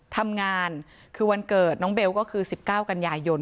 ทำงานคือวันเกิดน้องเบลก็คือ๑๙กันยายน